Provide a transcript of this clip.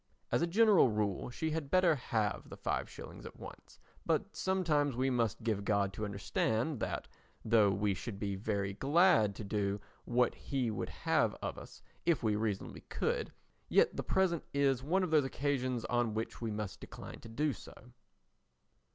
As a general rule she had better have the 5/ at once, but sometimes we must give God to understand that, though we should he very glad to do what he would have of us if we reasonably could, yet the present is one of those occasions on which we must decline to do so.